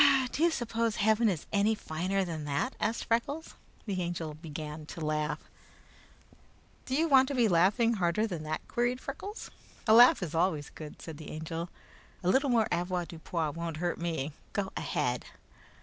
"Do you suppose Heaven is any finer than that?" asked Freckles. The Angel began to laugh. "Do you want to be laughing harder than that?" queried Freckles. "A laugh is always good," said the Angel. "A little more avoirdupois won't hurt me. Go ahead."